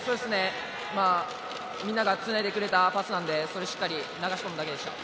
みんながつないでくれたパスなので、それをしっかり流し込むだけでした。